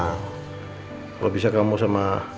kalau bisa kamu sama